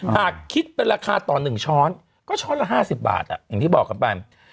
หากคิดเป็นราคาต่อ๑ช้อนก็ช้อนละ๕๐บาทอย่างที่บอกกันไป